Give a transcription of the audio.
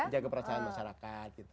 menjaga perasaan masyarakat gitu